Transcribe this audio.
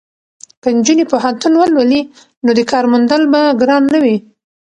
که نجونې پوهنتون ولولي نو د کار موندل به ګران نه وي.